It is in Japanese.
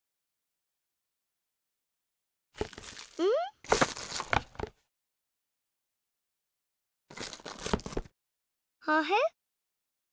うん？はへ？